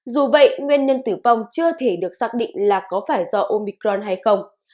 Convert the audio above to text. dù vậy nguyên nhân tử vong chưa thể được xác định là có phải do omicron hay không